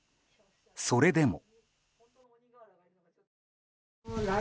それでも。